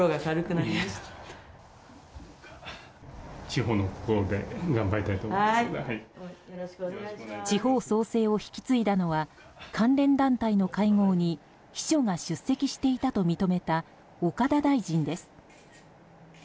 地方創生を引き継いだのは関連団体の会合に秘書が出席していたと認めた岡田大臣です。